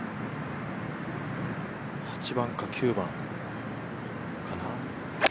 ８番か９番かな。